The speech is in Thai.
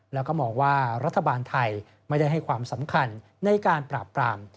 แล้วก็มองว่ารัฐบาลไทยไม่ได้ให้ความสำคัญในการปราบปราม